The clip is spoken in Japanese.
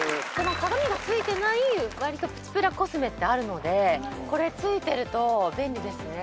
鏡が付いてないプチプラコスメってあるのでこれ付いてると便利ですね。